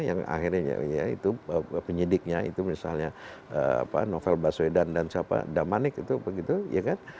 yang akhirnya ya itu penyidiknya itu misalnya novel baswedan dan siapa damanik itu begitu ya kan